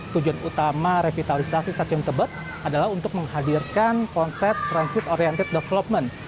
tujuan utama revitalisasi saking tebet adalah untuk menghadirkan konsep transit oriented development